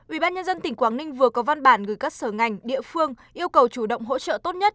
ubnd tỉnh quảng ninh vừa có văn bản gửi các sở ngành địa phương yêu cầu chủ động hỗ trợ tốt nhất